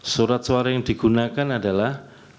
surat suara yang digunakan adalah